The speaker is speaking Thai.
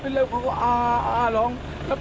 เป็นไรว่าก็อ่าอ่าอ่าลอง